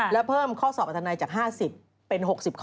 และเพิ่มข้อสอบอัตนัยจาก๕๐เป็น๖๐ข้อ